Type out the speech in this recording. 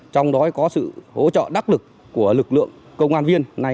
trong đó có sự hỗ trợ đắc lực của lực lượng công an viên